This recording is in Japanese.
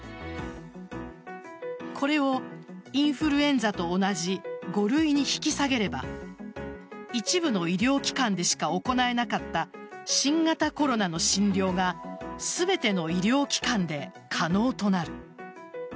これをインフルエンザと同じ５類に引き下げれば一部の医療機関でしか行えなかった新型コロナの診療が全ての医療機関で可能となる。